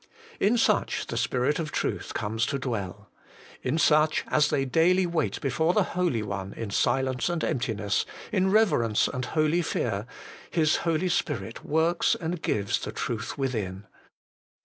In such the Spirit of truth comes to dwell. In such, as they daily wait before the Holy One in silence and emptiness, in reverence and holy fear, His Holy Spirit works and gives the truth within.